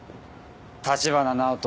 橘直人。